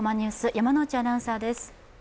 山内アナウンサーです。